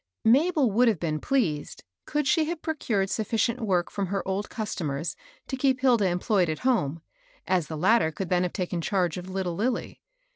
[ABEL would have been pleased, could she have procured sufficient work from her old customers to keep Hilda employed at home, as the latter could then have taken charge of little Lilly.